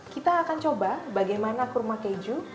kita akan coba bagaimana kurma keju